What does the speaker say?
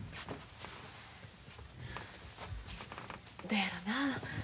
どやろな？